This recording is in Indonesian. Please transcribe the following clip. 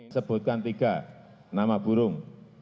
sebutkan tiga nama burung